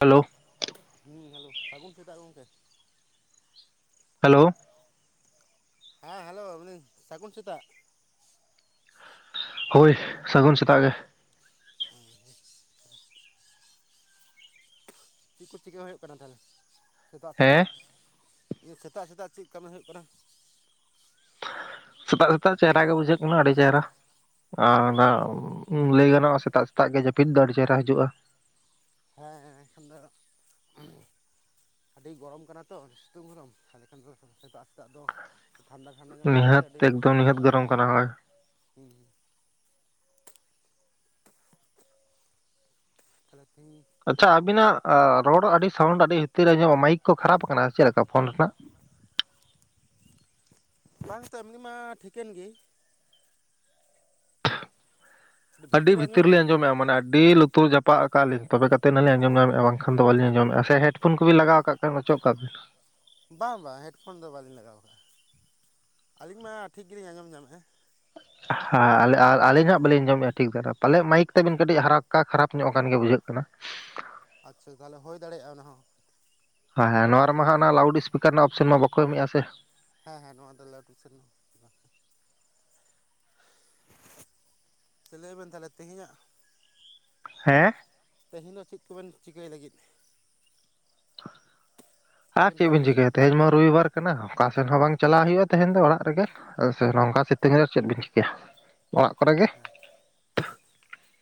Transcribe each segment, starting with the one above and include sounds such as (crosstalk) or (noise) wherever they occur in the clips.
Hello ᱦᱮᱸ hello ᱥᱟᱹᱜᱩᱱ ᱥᱮᱛᱟᱜ ᱜᱚᱢᱠᱮ ᱦᱮᱞᱳ ᱦᱮᱸ ᱦᱮᱞᱳ ᱢᱮᱱᱫᱟᱹᱧ ᱥᱟᱹᱜᱩᱱ ᱥᱮᱛᱟᱜ ᱦᱳᱭ ᱥᱟᱹᱜᱩᱱ ᱥᱮᱛᱟᱜ ᱜᱮ (inaudible) ᱪᱮᱫ ᱠᱚ ᱪᱤᱠᱟᱹ ᱦᱩᱭᱩᱜ ᱠᱟᱱᱟ ᱛᱟᱦᱚᱞᱮ ᱥᱮᱛᱟᱜ ᱥᱮᱛᱟᱜ ᱦᱮᱸ ᱥᱮᱛᱟᱜ ᱥᱮᱛᱟᱜ ᱪᱮᱫ ᱠᱟᱹᱢᱤ ᱦᱩᱭᱩᱜ ᱠᱟᱱᱟ ᱥᱮᱛᱟᱜ ᱥᱮᱛᱟᱜ ᱪᱮᱦᱨᱟ ᱜᱮ ᱵᱩᱡᱷᱟᱹᱜ ᱠᱟᱱᱟ ᱟᱹᱰᱤ ᱪᱮᱦᱨᱟ ᱟᱨ ᱚᱱᱟ ᱟᱪᱪᱷᱟ ᱞᱟᱹᱭ ᱜᱟᱱᱚᱜᱼᱟ ᱥᱮᱛᱟᱜ ᱥᱮᱛᱟᱜ ᱜᱮ ᱡᱟᱹᱯᱤᱫ ᱫᱚ ᱟᱹᱰᱤ ᱪᱮᱦᱨᱟ ᱦᱤᱡᱩᱜᱼᱟ ᱦᱮᱸ ᱮᱱᱠᱷᱟᱱ ᱫᱚ ᱟᱹᱰᱤ ᱜᱚᱨᱚᱢ ᱠᱟᱱᱟ ᱛᱚ ᱥᱤᱛᱩᱝ ᱦᱚᱨᱚᱢ ᱛᱟᱦᱚᱞᱮ ᱠᱷᱟᱱ ᱫᱚ ᱥᱮᱛᱟᱜ ᱥᱮᱛᱟᱜ ᱫᱚ ᱴᱷᱟᱱᱰᱟ ᱴᱷᱟᱱᱰᱟ ᱧᱚᱜ ᱵᱩᱡᱷᱟᱹᱜ ᱛᱮ ᱱᱤᱦᱟᱹᱛ ᱟᱹᱰᱤ ᱮᱠᱫᱚᱢ ᱱᱤᱦᱟᱹᱛ ᱪᱮᱨᱮ ᱜᱚᱨᱚᱢ ᱠᱟᱱᱟ ᱦᱳᱭ ᱦᱩᱸ ᱦᱩᱸ ᱛᱟᱦᱚᱞᱮ ᱛᱮᱦᱮᱧ ᱟᱪᱪᱷᱟ ᱟᱵᱤᱱᱟᱜ ᱨᱚᱲ ᱟᱹᱰᱤ ᱥᱟᱣᱩᱱᱰ ᱟᱹᱰᱤ ᱵᱷᱤᱛᱤᱨ ᱢᱟᱭᱤᱠ ᱠᱚ ᱠᱷᱟᱨᱟᱯ ᱟᱠᱟᱱᱟ ᱪᱮᱫ ᱞᱮᱱᱟ ᱯᱷᱳᱱ ᱨᱮᱱᱟᱜ ᱵᱟᱝ ᱛᱚ ᱮᱢᱱᱤ ᱢᱟ ᱴᱷᱤᱠᱮᱱ ᱜᱮ ᱟᱹᱰᱤ ᱨᱮ ᱵᱷᱤᱛᱤᱨ ᱟᱸᱡᱚᱢᱚᱜ ᱨᱤᱞᱤᱧ ᱠᱟᱱᱟ ᱟᱸᱡᱚᱢᱮᱫᱼᱟ ᱢᱟᱱᱮ ᱟᱹᱰᱤ ᱞᱩᱛᱩᱨ ᱡᱟᱯᱟᱜ ᱟᱠᱟᱫ ᱞᱤᱧ ᱛᱚᱵᱮ ᱠᱟᱛᱮ ᱱᱟᱞᱤᱧ ᱟᱸᱡᱚᱢ ᱧᱟᱢᱮᱫᱼᱟ ᱵᱟᱝᱠᱷᱟᱱ ᱫᱚ ᱵᱟᱞᱤᱧ ᱟᱸᱡᱚᱢᱮᱫᱼᱟ ᱥᱮ ᱦᱮᱴᱯᱷᱳᱱ ᱠᱚᱵᱤᱱ ᱞᱟᱜᱟᱣ ᱟᱠᱟᱫ ᱟᱵᱮᱱ ᱚᱪᱚᱜ ᱠᱟᱜ ᱵᱤᱱ ᱵᱟᱝ ᱵᱟᱝ ᱦᱮᱰᱯᱷᱳᱱ ᱫᱚ ᱵᱟᱹᱞᱤᱧ ᱞᱟᱜᱟᱣ ᱟᱠᱟᱜᱼᱟ ᱟᱹᱞᱤᱧ ᱢᱟ ᱴᱷᱤᱠ ᱜᱮᱞᱤᱧ ᱟᱸᱡᱚᱢ ᱧᱟᱢᱮᱫᱼᱟ ᱦᱮᱸ ᱟᱨ ᱟᱹᱞᱤᱧ ᱦᱟᱜ ᱵᱟᱹᱞᱤᱧ ᱟᱡᱚᱢᱮᱫᱼᱟ ᱴᱷᱤᱠ ᱫᱷᱟᱨᱟ ᱯᱟᱞᱮᱭᱟᱜ ᱢᱟᱭᱤᱠ ᱛᱮᱵᱮᱱ ᱠᱟᱹᱴᱤᱡ ᱦᱟᱨᱟᱠᱟ ᱠᱷᱟᱨᱟᱯ ᱧᱚᱜ ᱠᱟᱱ ᱜᱮ ᱵᱩᱡᱷᱟᱹᱜ ᱠᱟᱱᱟ ᱠᱟᱱᱟ ᱟᱪᱪᱷᱟ ᱛᱟᱦᱚᱞᱮ ᱦᱩᱭ ᱫᱟᱲᱮᱭᱟᱜᱼᱟ ᱚᱱᱟ ᱦᱚᱸ ᱦᱮᱸ ᱦᱮᱸ ᱱᱚᱣᱟ ᱨᱮᱢᱟ ᱦᱟᱸᱜ ᱚᱱᱟ ᱞᱟᱣᱩᱰ ᱥᱯᱤᱠᱟᱨ ᱨᱮᱱᱟᱜ ᱚᱯᱥᱚᱱ ᱢᱟ ᱵᱟᱠᱚ ᱮᱢᱮᱜᱼᱟ ᱥᱮ᱾ ᱦᱮᱸ ᱦᱮᱸ ᱱᱚᱣᱟ ᱫᱚ ᱞᱟᱹᱣᱩᱰ (unintelligible) ᱞᱟᱹᱭ ᱵᱮᱱ ᱛᱟᱦᱞᱮ ᱛᱮᱦᱮᱧᱟᱜ ᱦᱮᱸ ᱛᱮᱦᱮᱧ ᱫᱚ ᱪᱮᱫ ᱠᱚᱵᱮᱱ ᱪᱤᱠᱟᱹᱭ ᱞᱟᱹᱜᱤᱫ? ᱟᱨ ᱠᱚᱵᱮᱱ ᱪᱮᱫ ᱠᱟᱹᱢᱤ ᱵᱤᱱ ᱞᱟᱹᱜᱤᱫ ᱪᱤᱠᱟᱹᱭᱟ ᱛᱮᱦᱮᱧ ᱢᱟ ᱨᱚᱵᱤᱵᱟᱨ ᱠᱟᱱᱟ ᱚᱠᱟ ᱥᱮᱱ ᱦᱚᱸ ᱵᱟᱝ ᱪᱟᱞᱟᱜ ᱦᱩᱭᱩᱜᱼᱟ ᱛᱮᱦᱮᱧ ᱫᱚ ᱚᱲᱟᱜ ᱨᱮᱜᱮ ᱥᱮ ᱱᱚᱝᱠᱟ ᱥᱤᱛᱩᱝ ᱨᱮ ᱪᱮᱫ ᱵᱮᱱ ᱪᱤᱠᱟᱹᱭᱟ᱾ ᱚᱲᱟᱜ ᱠᱚᱨᱮ ᱜᱮ᱾ ᱦᱮᱸ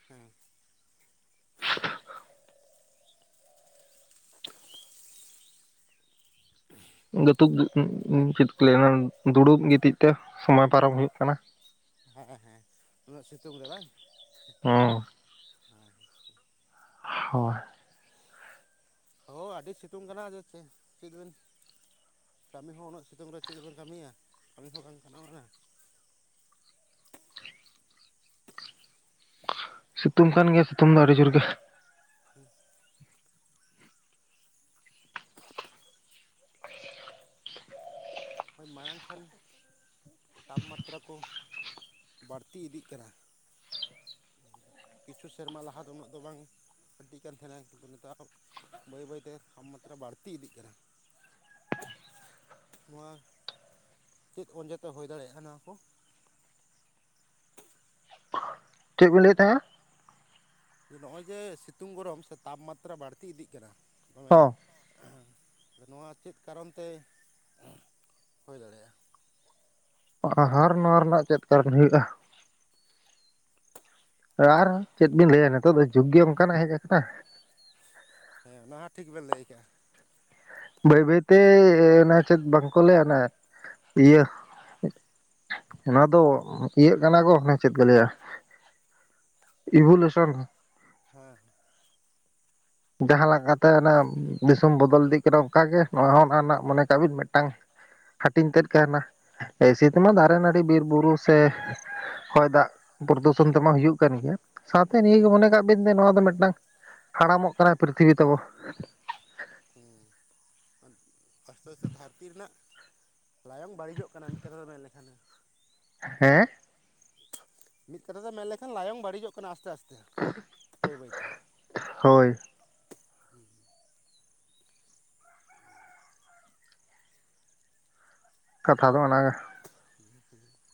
(unintelligible) ᱦᱮᱸ᱾ (unintelligible) ᱛᱩᱠ (unintelligible) ᱪᱮᱫ ᱠᱚ ᱞᱟᱹᱭᱟ, ᱫᱩᱲᱩᱵ ᱜᱤᱛᱤᱡ ᱛᱮ ᱥᱚᱢᱚᱭ ᱯᱟᱨᱚᱢ ᱦᱩᱭᱩᱜ ᱠᱟᱱᱟ᱾ ᱦᱮᱸ ᱦᱮᱸ, ᱩᱱᱟᱹᱜ ᱥᱤᱛᱩᱝ ᱨᱮ ᱵᱟᱝ? ᱦᱩᱸ᱾ ᱟᱨ ᱦᱳᱭ᱾ ᱦᱳᱭ ᱟᱹᱰᱤ ᱥᱤᱛᱩᱝ ᱠᱟᱱᱟ ᱟᱫ ᱪᱮ ᱪᱮᱫ ᱵᱮᱱ ᱠᱟᱹᱢᱤ ᱦᱚᱸ ᱩᱱᱟᱹᱜ ᱥᱤᱛᱩᱝ ᱨᱮ ᱪᱮᱫ ᱵᱤᱱ ᱠᱟᱹᱢᱤᱭᱟ? ᱠᱟᱹᱢᱤ ᱦᱚᱸ ᱵᱟᱝ ᱜᱟᱱᱚᱜ ᱠᱟᱱᱟ᱾ ᱥᱤᱛᱩᱝ ᱠᱟᱱ ᱜᱮᱭᱟ, ᱥᱤᱛᱩᱝ ᱫᱚ᱾ ᱟᱹᱰᱤ ᱡᱳᱨ ᱜᱮ᱾ ᱦᱩᱸ᱾ (inaudible) ᱦᱳᱭ ᱢᱟᱲᱟᱝ ᱠᱷᱚᱱ ᱛᱟᱯ-ᱢᱟᱛᱨᱟ ᱠᱚ ᱵᱟᱹᱲᱛᱤ ᱤᱫᱤᱜ ᱠᱟᱱᱟ᱾ ᱠᱤᱪᱷᱩ ᱥᱮᱨᱢᱟ ᱞᱟᱦᱟ ᱫᱚ ᱩᱱᱟᱹᱜ ᱫᱚ ᱵᱟᱝ (unintelligible) ᱛᱟᱦᱮᱱᱟ ᱠᱤᱱᱛᱩ ᱱᱮᱛᱟᱨ ᱵᱟᱹᱭ ᱵᱟᱹᱭᱛᱮ ᱛᱟᱯᱢᱟᱛᱨᱟ ᱵᱟᱹᱲᱛᱤ ᱤᱫᱤᱜ ᱠᱟᱱᱟ᱾ ᱱᱚᱣᱟ ᱪᱮᱫ ᱚᱢᱮ ᱛᱮ ᱦᱩᱭ ᱫᱟᱲᱮᱭᱟᱜᱼᱟ, ᱱᱚᱣᱟ ᱠᱚ? ᱪᱮᱫᱵᱤᱱ ᱞᱟᱹᱭᱮᱫ ᱛᱟᱦᱮᱸᱫ? ᱱᱚᱜᱼᱚᱭ ᱡᱮ ᱥᱤᱛᱩᱝ ᱜᱚᱨᱚᱢ ᱥᱮ ᱛᱟᱯᱢᱟᱛᱨᱟ ᱵᱟᱹᱲᱛᱤ ᱤᱫᱤᱜ ᱠᱟᱱᱟ ᱫᱚᱢᱮ ᱟᱫᱚ ᱱᱚᱣᱟ ᱪᱮᱫ ᱠᱟᱨᱚᱱ ᱛᱮ ᱦᱩᱭ ᱫᱟᱲᱮᱭᱟᱜᱼᱟ? ᱦᱟᱨ ᱱᱚᱣᱟ ᱨᱮᱱᱟᱜ ᱪᱮᱫ ᱠᱟᱨᱚᱱ ᱦᱩᱭᱩᱜᱼᱟ? ᱟᱨ ᱪᱮᱫ ᱵᱤᱱ ᱞᱟᱹᱭᱟ ᱱᱤᱛᱚᱜ ᱫᱚ ᱡᱩᱜᱽ ᱜᱮ ᱚᱱᱠᱟᱱᱟᱜ ᱦᱮᱡ ᱟᱠᱟᱱᱟ᱾ ᱦᱮᱸ ᱚᱱᱟ ᱦᱚᱸ ᱴᱷᱤᱠ ᱵᱮᱱ ᱞᱟᱹᱭ ᱟᱠᱟᱜᱼᱟ᱾ ᱵᱟᱹᱭ ᱵᱟᱹᱭ ᱛᱮ ᱚᱱᱟ ᱪᱮᱫ ᱵᱟᱝ ᱠᱚ ᱞᱟᱹᱭᱟ ᱚᱱᱟ ᱤᱭᱟᱹ ᱚᱱᱟ ᱫᱚ ᱤᱭᱟᱹᱜ ᱠᱟᱱᱟ ᱜᱚ ᱚᱱᱮ ᱪᱮᱫ ᱠᱚ ᱞᱟᱹᱭᱟ? ᱤᱵᱷᱩᱞᱮᱥᱚᱱ᱾ ᱦᱮᱸ᱾ ᱡᱟᱦᱟᱸ ᱞᱮᱠᱟ ᱛᱮ ᱚᱱᱮ ᱫᱤᱥᱚᱢ ᱭᱟᱦᱟ ᱞᱮᱠᱟᱛᱮ ᱫᱤᱥᱚᱢ ᱵᱚᱫᱚᱞ ᱤᱫᱤᱜ ᱠᱟᱱᱟ᱾ ᱚᱱᱠᱟ ᱜᱮ ᱱᱚᱣᱟ ᱦᱚᱸ ᱚᱱᱟ ᱨᱮᱱᱟᱜ ᱢᱚᱱᱮ ᱠᱟᱜ ᱵᱤᱱ ᱢᱤᱫᱴᱟᱝ ᱦᱟᱹᱴᱤᱧ ᱛᱮᱫ ᱠᱟᱱᱟ᱾ ᱮᱥᱮ ᱛᱮ ᱢᱟ ᱫᱟᱨᱮ ᱱᱟᱹᱲᱤ ᱵᱤᱨ ᱵᱩᱨᱩ ᱥᱮ ᱦᱚᱭ ᱫᱟᱜ ᱯᱨᱚᱨᱚᱫᱩᱥᱚᱱ ᱛᱮᱢᱟ ᱦᱩᱭᱩᱜ ᱠᱟᱱ ᱜᱮᱭᱟ᱾ ᱥᱟᱶᱛᱮ ᱦᱩᱸ ᱱᱤᱭᱟᱹ ᱜᱮ ᱢᱚᱱᱮ ᱠᱟᱜ ᱵᱤᱱ ᱡᱮ ᱱᱚᱣᱟ ᱫᱚ ᱢᱤᱫᱴᱟᱝ ᱦᱟᱲᱟᱢᱚᱜ ᱠᱟᱱᱟᱭ ᱯᱨᱤᱛᱷᱤᱵᱤ ᱛᱟᱵᱚ᱾ ᱦᱮᱸ ᱟᱥᱛᱮ ᱟᱥᱛᱮ ᱫᱷᱟᱹᱨᱛᱤ ᱨᱮᱱᱟᱜ ᱞᱟᱭᱚᱝ ᱵᱟᱹᱲᱤᱡᱚᱜ ᱠᱟᱱᱟ᱾ ᱢᱤᱫ ᱠᱟᱛᱷᱟ ᱛᱮ ᱢᱮᱱ ᱞᱮᱠᱷᱟᱱᱮ᱾ ᱦᱮᱸ? ᱢᱤᱫ ᱠᱟᱛᱷᱟ ᱛᱮ ᱢᱮᱱ ᱞᱮᱠᱷᱟᱱ ᱞᱟᱭᱚᱝ ᱵᱟᱹᱲᱤᱡᱚᱜ ᱠᱟᱱᱟ ᱟᱥᱛᱮ ᱟᱥᱛᱮ ᱵᱟᱹᱭ ᱵᱟᱹᱭ ᱛᱮ᱾ ᱦᱳᱭ᱾ ᱦᱩᱸ ᱾ ᱠᱟᱛᱷᱟ ᱫᱚ ᱚᱱᱟ ᱜᱮ᱾ (inaudible)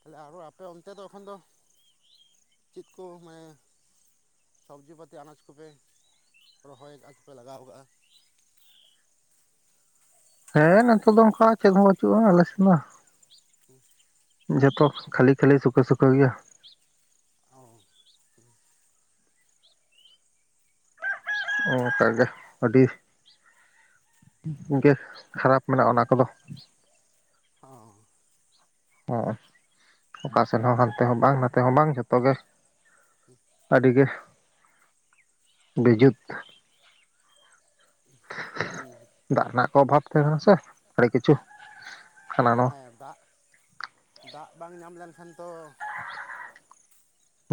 ᱛᱟᱦᱚᱞ ᱟᱨᱚ ᱟᱯᱮ ᱚᱱᱛᱮ ᱫᱚ ᱮᱠᱷᱚᱱ ᱫᱚ ᱪᱮᱫ ᱠᱚ ᱢᱟᱱᱮ ᱥᱚᱵᱽᱡᱤ-ᱯᱟᱹᱛᱤ, ᱟᱱᱟᱡᱽ ᱠᱚᱯᱮ ᱨᱚᱦᱚᱭ ᱟᱠᱟᱫ ᱪᱮᱯᱮ ᱞᱟᱜᱟᱣ ᱠᱟᱜᱼᱟ? ᱦᱮᱸ ᱱᱮᱛᱚᱜ ᱫᱚ ᱚᱱᱠᱟ ᱪᱮᱫ ᱦᱚᱸ ᱵᱪᱩᱜᱼᱟ, ᱟᱞᱮᱥᱮᱫ ᱫᱚ᱾ ᱦᱩᱸ᱾ ᱡᱚᱛᱚ ᱠᱷᱟᱹᱞᱤ ᱠᱷᱟᱹᱞᱤ ᱥᱩᱠᱟᱹ ᱥᱩᱠᱟᱹ ᱜᱮᱭᱟ᱾ ᱚᱸ᱾ ᱚᱱᱠᱟ ᱜᱮ ᱟᱹᱰᱤ ᱜᱮ ᱠᱷᱟᱨᱟᱯ ᱢᱮᱱᱟᱜᱼᱟ, ᱚᱱᱟ ᱠᱚᱫᱚ᱾ ᱚᱦᱸ᱾ ᱚ ᱚᱠᱟ ᱥᱮᱫ ᱦᱚᱸ ᱦᱟᱱᱛᱮ ᱦᱚᱸ ᱵᱟᱝ ᱱᱟᱛᱮ ᱦᱚᱸ ᱵᱟᱝ ᱡᱷᱚᱛᱚ ᱜᱮ᱾ (inaudible) ᱟᱹᱰᱤᱜᱮ ᱵᱤᱡᱩᱛ ᱦᱮᱸ ᱫᱟᱜ ᱨᱮᱱᱟᱜ ᱠᱚ ᱚᱵᱷᱟᱵᱽ ᱛᱟᱦᱮᱸ ᱠᱟᱱᱟ ᱥᱮ ᱟᱹᱰᱤ ᱠᱤᱪᱷᱩ ᱦᱟᱱᱟ ᱱᱚᱣᱟ ᱦᱮᱸ ᱫᱟᱜ ᱫᱟᱜ ᱵᱟᱝ ᱧᱟᱢ ᱞᱮᱱᱠᱷᱟᱱ ᱛᱚ (inaudible)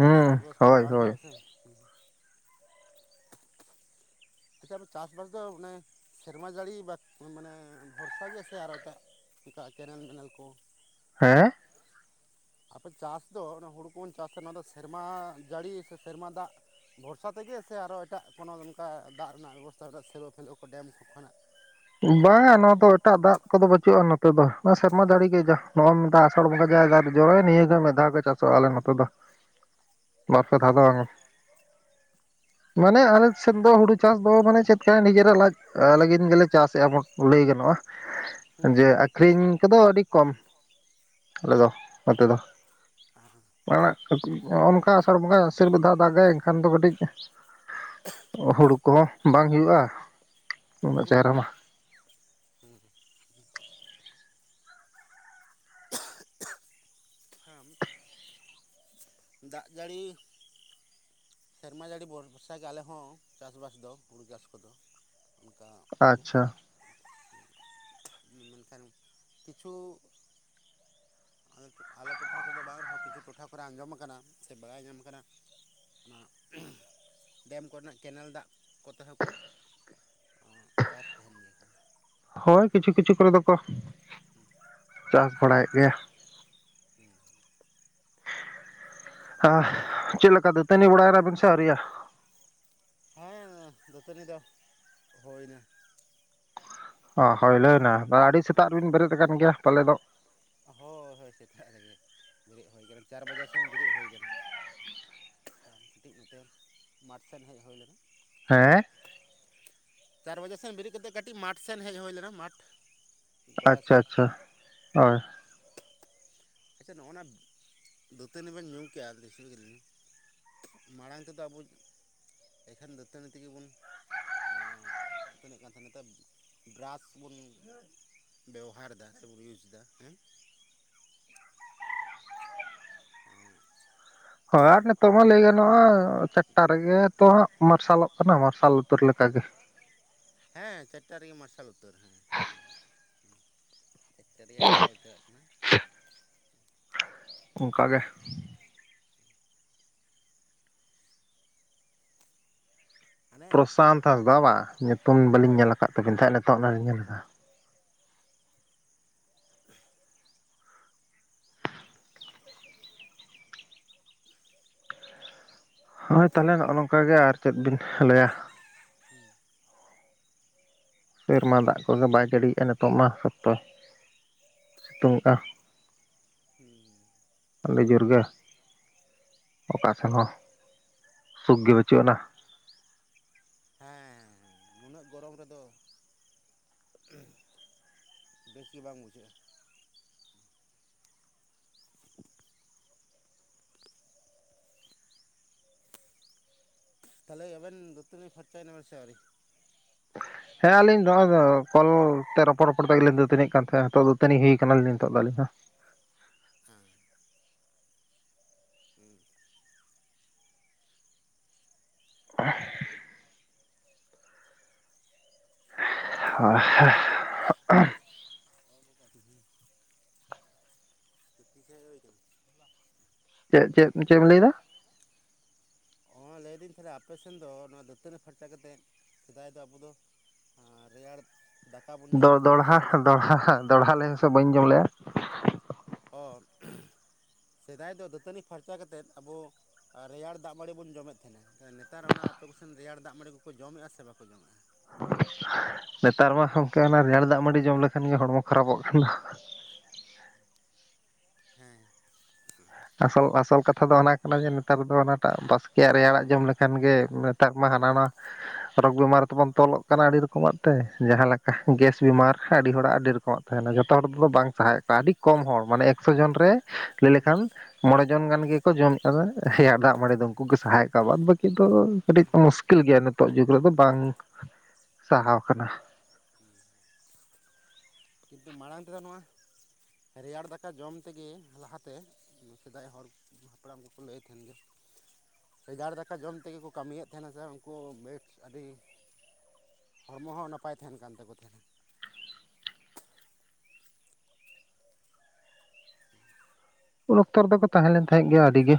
ᱪᱟᱥ ᱠᱚᱵᱟᱥ ᱠᱚᱫᱚ ᱦᱳᱭ ᱵᱟᱝ ᱦᱳᱭ ᱦᱩᱭᱩᱜ ᱟᱥᱮ ᱱᱮᱛᱟᱨ ᱪᱟᱥᱵᱟᱥ ᱫᱚ ᱚᱱᱮ ᱥᱮᱨᱢᱟ ᱡᱟᱹᱲᱤ ᱵᱟ ᱢᱟᱱᱮ ᱵᱷᱚᱨᱥᱟ ᱜᱮᱭᱟ ᱥᱮ ᱟᱨ ᱮᱴᱟᱜ ᱪᱤᱠᱟ ᱠᱮᱱᱮᱞ ᱢᱮᱱᱮᱱᱮᱞ ᱠᱚ ᱦᱮᱸ ᱟᱯᱮ ᱪᱟᱥ ᱫᱚ ᱚᱱᱟ ᱦᱩᱲᱩ ᱠᱚᱵᱚᱱ ᱪᱟᱥᱟ ᱱᱚᱣᱟ ᱫᱚ ᱥᱮᱨᱢᱟ ᱡᱟᱹᱲᱤ ᱥᱮ ᱥᱮᱨᱢᱟ ᱫᱟᱜ ᱵᱷᱚᱨᱥᱟ ᱛᱮᱜᱮ ᱥᱮ ᱟᱨᱚ ᱮᱴᱟᱜ ᱠᱳᱚᱱᱚ ᱱᱚᱝᱠᱟ ᱫᱟᱜ ᱨᱮᱱᱟᱜ ᱵᱮᱵᱚᱥᱛᱛᱟᱟᱜ ᱥᱮᱨᱚᱜ ᱯᱷᱮᱰᱚᱜ ᱟᱠ ᱠᱚ ᱰᱮᱢ ᱠᱚ ᱠᱷᱚᱱᱟᱜ ᱵᱟᱝᱟ ᱱᱚᱣᱟ ᱫᱚ ᱮᱴᱟᱜ ᱫᱟᱜ ᱠᱚᱫᱚ ᱵᱟᱹᱪᱩᱜᱼᱟ ᱱᱚᱛᱮ ᱫᱚ ᱥᱮᱨᱢᱟ ᱫᱟᱲᱮ ᱜᱮ ᱡᱟ ᱱᱚᱜᱚᱭ ᱢᱮᱛᱟᱜ ᱟᱥᱲ ᱵᱚᱸᱜᱟ ᱡ ᱡᱚᱨ ᱱᱤᱭᱟᱹᱟᱹᱜᱮ ᱢᱤᱫ ᱫᱷᱟᱣ ᱜᱮ ᱪᱟᱥᱚᱜᱼᱟᱞᱮ ᱱᱚᱛᱮ ᱫᱚ ᱵᱟᱨᱯᱮ ᱫᱷᱟᱣ ᱫᱚ ᱵᱟᱝ ᱢᱟᱱᱮ ᱟᱞᱮ ᱥᱮᱫ ᱫᱚ ᱦᱩᱲᱩ ᱪᱟᱥ ᱫᱚ ᱢᱟᱱᱮ ᱪᱮᱫᱠᱟᱭ ᱱᱤᱡᱮᱨᱟᱜ ᱞᱟᱡ ᱞᱟᱹᱜᱤᱫ ᱜᱮᱞᱮ ᱪᱟᱥᱮᱫᱼᱟ ᱵᱚᱱ ᱞᱟᱹᱭ ᱜᱟᱱᱚᱜᱼᱟ ᱡᱮ ᱟᱹᱠᱷᱨᱤᱧ ᱠᱚᱫᱚ ᱟᱹᱰᱤ ᱠᱚᱢ ᱟᱞᱮᱚ ᱱᱚᱛᱮ ᱫᱚ ᱦᱮᱸ ᱦᱮ ᱟᱲᱟᱜ ᱚᱝᱠᱟ ᱟᱥᱟᱲ ᱵᱚᱸᱜᱟ ᱟᱥᱤᱨ (inaudible) ᱫᱟᱜᱟᱭ ᱮᱱᱠᱷᱟᱱ ᱫᱚ ᱠᱟᱹᱴᱤᱡ ᱦᱩᱲᱩ ᱠᱚᱦᱚᱸ ᱵᱟᱝ ᱦᱩᱭᱩᱜᱼᱟ ᱩᱱᱟᱹᱜ ᱦᱩᱸ ᱪᱮᱦᱨᱟ ᱦᱩᱸ ᱢᱟ ᱦᱩᱸ ᱦᱩᱸ ᱟᱢ ᱫᱟᱜ ᱡᱟᱹᱲᱤ ᱥᱮᱨᱢᱟ ᱡᱟᱹᱲᱤ ᱵ ᱵᱷᱚᱨᱥᱟ ᱜᱮ ᱟᱞᱮ ᱦᱚᱸ ᱪᱟᱥᱵᱟᱥ ᱫᱚ ᱦᱩᱲᱩ ᱪᱟᱥ ᱠᱚᱫᱚ ᱚᱱᱠᱟ ᱟᱪᱪᱷᱟ ᱢᱮᱱᱠᱷᱟᱱ ᱠᱤᱪᱷᱩ ᱟᱞᱮ ᱴᱚᱴᱷᱟ ᱠᱚᱫᱚ ᱵᱟᱝ ᱨᱮᱦᱚᱸ ᱠᱤᱪᱷᱩ ᱴᱚᱴᱷᱟ ᱠᱚᱨᱮ ᱟᱸᱡᱚᱢ ᱟᱠᱟᱱᱟ ᱥᱮ ᱵᱟᱲᱟᱭ ᱧᱟᱢ ᱟᱠᱟᱱᱟ ᱚᱱᱟ ᱰᱮᱢ ᱠᱚᱨᱮᱱᱟᱜ ᱠᱮᱱᱮᱞ ᱫᱟᱜ ᱠᱚᱛᱮ ᱦᱚᱸᱠᱚ ᱪᱟᱥ ᱛᱟᱦᱮᱱ ᱜᱮᱭᱟ ᱠᱚ ᱦᱳᱭ ᱠᱤᱪᱷᱩ ᱠᱤᱪᱷᱩ ᱠᱚᱨᱮ ᱫᱚᱠᱚ ᱪᱟᱥ ᱵᱟᱲᱟᱭᱮᱫ ᱜᱮᱭᱟ ᱦᱮᱸ ᱦᱟ ᱪᱮᱫᱠᱟ ᱫᱟᱹᱛᱟᱹᱱᱤ ᱵᱟᱲᱟᱭᱱᱟᱵᱤᱱ ᱥᱮ ᱟᱹᱣᱨᱤᱭᱟ ᱦᱮᱸ ᱫᱟᱹᱛᱟᱹᱱᱤ ᱫᱚ ᱦᱩᱭᱱᱟ ᱚ ᱦᱳᱭ ᱞᱟᱹᱭ ᱢᱮ ᱟᱹᱰᱤ ᱥᱮᱛᱟᱜ ᱨᱮᱵᱤᱱ ᱵᱮᱨᱮᱫ ᱟᱠᱟᱱ ᱜᱮᱭᱟ ᱯᱟᱞᱮᱫ ᱫᱚ ᱦᱳᱭ ᱦᱳᱭ ᱥᱮᱛᱟᱜ ᱨᱮᱜᱮ ᱵᱮᱨᱮᱫ ᱦᱩᱭ ᱟᱠᱟᱱᱟ ᱪᱟᱨ ᱵᱟᱡᱟᱜ ᱥᱮᱱ ᱵᱮᱨᱮᱫ ᱦᱩᱭ ᱟᱠᱟᱱᱟ ᱟᱨ ᱠᱟᱹᱴᱤᱡ ᱱᱳᱴᱮᱞ ᱢᱟᱴᱷ ᱥᱮᱱ ᱦᱮᱡ ᱦᱩᱭ ᱞᱮᱱᱟ ᱦᱮᱸ ᱪᱟᱨ ᱵᱟᱡᱮ ᱥᱮᱱ ᱵᱮᱨᱮᱫ ᱠᱟᱛᱮᱮᱫ ᱠᱟᱹᱴᱤᱡ ᱢᱟᱴᱷ ᱥᱮᱱ ᱦᱮᱡ ᱦᱩᱭ ᱞᱮᱱᱟ ᱢᱟᱴᱷ ᱜᱚᱰᱟ ᱟᱪᱪᱷᱟ ᱥᱮᱱ ᱟᱪᱪᱷᱟ ᱦᱳᱭ ᱟᱪᱪᱷᱟ ᱱᱚᱜᱼᱱᱟ ᱫᱟᱹᱛᱟᱹᱱᱤ ᱵᱮᱱ ᱧᱩᱢ ᱠᱮᱭᱟ ᱫᱤᱥ ᱜᱮᱞᱤᱤᱧᱟ ᱢᱟᱲᱟᱝ ᱛᱮᱫᱚ ᱟᱵᱚ ᱮᱠᱷᱟᱱ ᱫᱟᱹᱛᱟᱹᱱᱤ ᱛᱮᱤ ᱜᱮ ᱵᱚᱱ ᱫᱟᱹᱛᱟᱹᱱᱤᱜ ᱠᱟᱱ ᱛᱟᱦᱮ ᱱᱤᱛᱟᱹᱜ ᱵᱨᱟᱥ ᱵᱚᱱ ᱵᱮᱣᱦᱟᱨ ᱫᱟ ᱥᱮ ᱵᱚᱱ ᱤᱭᱩᱥ ᱫᱟ ᱦᱮᱸ ᱮᱜ ᱦᱳᱭ ᱟᱨ ᱱᱤᱛᱚᱜ ᱢᱟ ᱞᱟᱹᱭ ᱜᱟᱱᱚᱜᱼᱟ ᱪᱟᱨᱴᱟ ᱨᱮᱜᱮ ᱛᱚ ᱦᱟᱸᱜ ᱢᱟ ᱢᱟᱨᱥᱟᱞᱚᱜ ᱠᱟᱱᱟ ᱢᱟᱨᱥᱟᱞ ᱩᱛᱟᱹᱨ ᱞᱮᱠᱟᱜᱮ ᱦᱮᱸ ᱪᱟᱨᱴᱟ ᱨᱮᱜᱮ ᱢᱟᱨᱥᱟᱞ ᱩᱛᱟᱹᱨ ᱦᱮᱸ ᱪᱟᱨᱤᱭᱟᱹ ᱟᱨᱥᱟᱞ ᱩᱛᱟᱹᱨᱚᱜ ᱠᱟᱱᱟ ᱚᱱᱠᱟ ᱜᱮ ᱦᱟᱱᱮ ᱯᱨᱚᱥᱟᱱᱛ ᱦᱟᱸᱥᱫᱟ ᱵᱟ ᱧᱩᱛᱩᱢᱚᱝ ᱵᱟᱹᱞᱤᱧ ᱦᱳᱭ ᱧᱮᱞ ᱟᱠᱟᱫ ᱛᱟᱠᱤᱱ ᱛᱟᱦᱮᱸᱜ ᱱᱤᱛᱚᱜ ᱱᱟᱜ ᱧᱮᱞ ᱮᱫᱟ᱾ ᱦᱳᱭ ᱛᱟᱦᱞᱮ ᱱᱚᱜᱼᱚ ᱱᱚᱝᱠᱟ ᱜᱮ ᱟᱨ ᱪᱮᱫ ᱵᱤᱱ ᱞᱟᱹᱭᱟ᱾ ᱦᱩᱸ ᱥᱮᱨᱢᱟ ᱫᱟᱜ ᱠᱚᱜᱮ ᱵᱟᱭ ᱡᱟᱹᱲᱤᱭᱮᱜᱼᱟ ᱱᱤᱛᱚᱜ ᱢᱟ ᱥᱚᱠᱛᱚ᱾ ᱥᱤᱛᱩᱝ ᱟ ᱦᱩᱸ ᱟᱰᱤ ᱡᱳᱨ ᱜᱮ᱾ ᱚᱠᱟ ᱥᱮᱱ ᱦᱚᱸ ᱥᱩᱠ ᱜᱮ ᱵᱟᱹᱪᱩᱜ ᱟᱱᱟ᱾ ᱦᱮᱸ ᱩᱱᱟᱹᱜ ᱜᱚᱨᱚᱢ ᱨᱮᱫᱚ ᱵᱮᱥ ᱜᱮ ᱵᱟᱝ ᱵᱩᱡᱷᱟᱹᱜᱼᱟ᱾ ᱛᱟᱦᱞᱮ ᱟᱵᱮᱱ ᱫᱟᱹᱛᱟᱹᱱᱤ ᱯᱷᱚᱨᱪᱟᱭ ᱱᱟᱵᱮᱱ ᱥᱮ ᱟᱹᱣᱨᱤ? ᱦᱮᱸ ᱟᱞᱤᱧ ᱱᱚᱜᱼᱚᱭ ᱫᱚ ᱠᱚᱞ ᱛᱮ ᱨᱚᱯᱚᱲ ᱨᱚᱯᱚᱲ ᱛᱮᱜᱮ ᱞᱤᱧ ᱫᱟᱹᱛᱟᱹᱱᱤᱜ ᱠᱟᱱ ᱛᱟᱦᱮᱸᱜ ᱱᱤᱛᱚᱜ ᱫᱟᱹᱛᱟᱹᱱᱤ ᱦᱩᱭ ᱠᱟᱱᱟᱞᱤᱧ ᱱᱤᱛᱚᱜ ᱫᱚ ᱟᱞᱤᱧ ᱫᱚ᱾ ᱦᱮᱸ ᱦᱩᱸ (inaudible) (inaudible) (inaudible) ᱪᱮ ᱦᱩᱭᱱᱟ? ᱪᱮᱜ ᱪᱮᱜ ᱪᱮᱫ ᱮᱢ ᱞᱟᱹᱭᱫᱟ? ᱦᱚᱸ ᱞᱟᱹᱭᱫᱟᱹᱧ ᱛᱟᱦᱞᱮ ᱟᱯᱮ ᱥᱮᱱ ᱫᱚ ᱱᱚᱣᱟ ᱫᱟᱹᱛᱟᱹᱱᱤ ᱯᱷᱟᱨᱪᱟ ᱠᱟᱛᱮᱫ ᱥᱮᱫᱟᱭ ᱫᱚ ᱟᱵᱩ ᱫᱚ ᱟᱸ ᱨᱮᱭᱟᱲ ᱫᱟᱠᱟ ᱵᱚᱱ ᱡᱚᱢᱮᱫ ᱛᱟᱦᱮᱱᱟ ᱨᱮᱭᱟᱲ ᱫᱟᱠᱟ ᱫᱚ-ᱫᱚᱲᱦᱟ-ᱫᱚᱲᱦᱟ-ᱫᱚᱲᱦᱟ ᱞᱟᱹᱭ ᱢᱮᱥᱮ ᱵᱟᱹᱧ ᱟᱧᱡᱚᱢ ᱞᱮᱜᱼᱟ? ᱚᱲ ᱥᱮᱫᱟᱭ ᱫᱚ ᱫᱟᱹᱛᱟᱹᱱᱤ ᱯᱷᱟᱨᱪᱟ ᱠᱟᱛᱮᱫ ᱟᱵᱚ ᱨᱮᱭᱟᱲ ᱫᱟᱜ ᱢᱟᱹᱲᱤ ᱵᱚᱱ ᱡᱚᱢᱮᱫ ᱛᱟᱦᱱᱟ ᱱᱮᱛᱟᱨ ᱚᱱᱟ ᱟᱯᱮ ᱠᱚᱥᱮᱱ ᱨᱮᱭᱟᱲ ᱫᱟᱜ ᱢᱟᱹᱲᱤ ᱠᱚᱠᱚ ᱡᱚᱢᱮᱜᱼᱟ ᱠᱚ ᱥᱮ ᱵᱟᱠᱚ ᱡᱚᱢᱮᱜᱼᱟ? ᱱᱮᱛᱟᱨ ᱢᱟ ᱜᱚᱝᱠᱮ ᱚᱱᱟ ᱨᱮᱭᱟᱲ ᱫᱟᱜᱢᱟᱹᱲᱤ ᱡᱚᱢ ᱞᱮᱠᱷᱟᱱ ᱜᱮ ᱦᱚᱲᱢᱚ ᱠᱷᱟᱨᱟᱯᱚᱜ ᱠᱟᱱ ᱫᱚ᱾ ᱦᱮᱸ ᱟᱥᱚᱞ ᱟᱥᱚᱞ ᱠᱟᱛᱷᱟ ᱫᱚ ᱚᱱᱟ ᱠᱟᱱᱟ ᱡᱮ ᱱᱮᱛᱟᱨ ᱫᱚ ᱚᱱᱟᱴᱟᱜ ᱵᱟᱥᱠᱮᱭᱟᱜ ᱨᱮᱭᱟᱲᱟᱜ ᱡᱚᱢ ᱞᱮᱠᱷᱟᱱ ᱜᱮ ᱴᱟᱜ ᱢᱟ ᱦᱟᱱᱟ ᱱᱟᱣᱟ (unintelligible) ᱨᱳᱜᱽ ᱵᱤᱢᱟᱨ ᱛᱮᱵᱚᱱ ᱛᱚᱞᱚᱜ ᱠᱟᱱᱟ ᱟᱹᱰᱤ ᱨᱚᱠᱚᱢᱟᱜ ᱛᱮ ᱡᱟᱦᱟᱸ ᱞᱮᱠᱟ ᱜᱮᱥ ᱵᱮᱢᱟᱨ ᱟᱹᱰᱤ ᱦᱚᱲᱟᱜ ᱟᱹᱰᱤ ᱨᱚᱠᱚᱢᱟᱜ᱾ ᱛᱟᱦᱮᱱᱟ ᱡᱚᱛᱚ ᱦᱚᱲ ᱛᱚ ᱵᱟᱝ ᱥᱟᱦᱟᱣᱮᱜ ᱠᱚᱣᱟ ᱟᱹᱰᱤ ᱠᱚᱢ ᱦᱚᱲ ᱢᱟᱱᱮ ᱮᱠᱥᱚ ᱡᱚᱱ ᱨᱮ ᱞᱟᱹᱭ ᱞᱮᱠᱷᱟᱱ ᱢᱚᱬᱮ ᱡᱚᱱ ᱜᱟᱱ ᱜᱮᱠᱚ ᱡᱚᱢ ᱟᱫᱟ ᱦᱮᱭᱟ ᱫᱟᱜ ᱢᱟᱹᱲᱤ ᱫᱚ ᱩᱝᱠᱩ ᱜᱮ ᱥᱟᱦᱟᱣᱮᱜ ᱠᱚᱣᱟ ᱵᱟᱫ ᱵᱟᱹᱠᱤ ᱫᱚ ᱠᱟᱹᱴᱤᱡ ᱠᱚ ᱢᱩᱥᱠᱤᱞ ᱜᱮᱭᱟ᱾ ᱛᱚᱜ ᱡᱩᱜᱽ ᱨᱮᱫᱚ ᱵᱟᱝ ᱥᱟᱦᱟᱣ ᱠᱟᱱᱟ᱾ ᱠᱤᱱᱛᱩ ᱢᱟᱲᱟᱝ ᱛᱮᱫᱚ ᱱᱚᱣᱟ ᱨᱮᱭᱟᱲ ᱫᱟᱠᱟ ᱡᱚᱢ ᱛᱮᱜᱮ ᱞᱟᱦᱟᱛᱮ ᱥᱮᱫᱟᱭ ᱦᱚᱲ ᱦᱟᱯᱲᱟᱢ ᱠᱚᱠᱚ ᱞᱟᱹᱭ ᱛᱟᱦᱮᱱ ᱜᱮ ᱨᱮᱭᱟᱲ ᱫᱟᱠᱟ ᱡᱚᱢ ᱛᱮᱜᱮ ᱠᱚ ᱠᱟᱹᱢᱤᱭᱮᱫ ᱛᱟᱦᱮᱱᱟ ᱥᱮ ᱩᱝᱠᱩ ᱵᱮᱥ ᱟᱹᱫᱤ ᱦᱚᱲᱢᱚ ᱦᱚᱸ ᱱᱟᱯᱟᱭ ᱛᱟᱦᱮᱱ ᱠᱟᱱ ᱛᱟᱠᱚ ᱛᱟᱦᱮᱱᱟ᱾ ᱩᱱ ᱚᱠᱛᱚ ᱨᱮ ᱫᱚᱠᱚ ᱛᱟᱦᱮᱸ ᱞᱮᱱ ᱛᱟᱦᱮᱸᱜ ᱜᱮᱭᱟ ᱟᱹᱰᱤ ᱜᱮ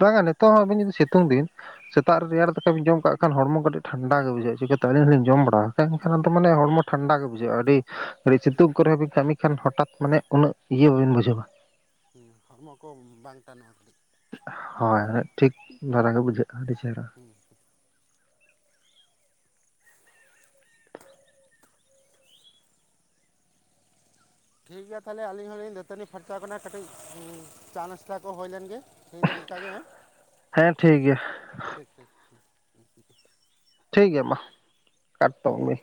ᱵᱟᱝᱟ ᱱᱤᱛᱚᱜ ᱦᱚᱸ ᱟᱵᱤᱱ ᱡᱩᱫᱤ ᱥᱤᱛᱩᱝ ᱫᱤᱱ ᱥᱮᱛᱟᱜ ᱦᱩᱸ ᱨᱮ ᱨᱮᱭᱟᱲ ᱫᱟᱠᱟ ᱵᱤᱱ ᱡᱚᱢ ᱠᱟᱜ ᱠᱷᱟᱱ ᱦᱚᱲᱢᱚ ᱠᱟᱹᱴᱤᱡ ᱴᱷᱟᱱᱰᱟ ᱜᱮ ᱵᱩᱡᱷᱟᱹᱜᱼᱟ, ᱪᱤᱠᱟᱹᱛᱮ ᱟᱹᱞᱤᱧ ᱦᱚᱸᱞᱤᱧ ᱡᱚᱢ ᱵᱟᱲᱟ ᱠᱟᱜᱼᱟ ᱮᱠᱷᱟᱱ ᱫᱚ ᱢᱟᱱᱮ ᱦᱚᱲᱢᱚ ᱴᱷᱟᱱᱰᱟ ᱜᱮ ᱵᱩᱡᱷᱟᱹᱜᱼᱟ᱾ ᱟᱰᱤ ᱟᱹᱰᱤ ᱥᱤᱛᱩᱝ ᱠᱚᱨᱮ ᱦᱚᱸᱵᱤᱱ ᱠᱟᱹᱢᱤ ᱠᱷᱟᱱ ᱦᱚᱴᱟᱛ ᱢᱟᱱᱮ ᱩᱱᱟᱹᱜ ᱤᱭᱟᱹ ᱵᱟᱹᱵᱤᱱ ᱵᱩᱡᱷᱟᱹᱣᱟ᱾ ᱦᱩᱸ ᱦᱚᱲᱢᱚ ᱠᱚ ᱵᱟᱝ ᱴᱟᱱᱚᱜᱼᱟ᱾ ᱦᱚᱭ ᱦᱚᱭ ᱴᱷᱤᱠ ᱫᱷᱟᱨᱟ ᱜᱮ ᱵᱩᱡᱷᱟᱹᱜᱼᱟ ᱟᱹᱰᱤ ᱪᱮᱦᱨᱟ᱾ ᱦᱩᱸ ᱦᱩ ᱴᱷᱤᱠ ᱜᱮᱭᱟ ᱛᱟᱦᱞᱮ ᱟᱹᱞᱤᱧ ᱦᱚᱸᱞᱤᱧ ᱫᱟᱹᱛᱟᱹᱱᱤ ᱯᱷᱟᱨᱪᱟᱣ ᱠᱟᱱᱟ ᱠᱟᱹᱴᱤᱡ ᱩᱸ ᱪᱟ ᱱᱟᱥᱛᱟ ᱠᱚ ᱦᱳᱭᱞᱮᱱ ᱜᱮ᱾ ᱛᱮᱦᱮᱧ ᱫᱚ ᱮᱱᱠᱟᱜᱮ ᱦᱮᱸ ᱦᱮᱸ ᱴᱷᱤᱠ ᱜᱮᱭᱟ ᱴᱷᱤᱠ ᱴᱷᱤᱠ (unintelligible) ᱴᱷᱤᱠ ᱜᱮᱭᱟ ᱢᱟ ᱠᱟᱴᱴᱚᱜ ᱢᱮ᱾